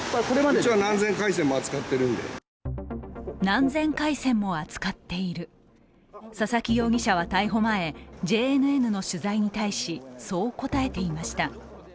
何千回線も扱っている佐々木容疑者は逮捕前、ＪＮＮの取材に対し、そう答えていました。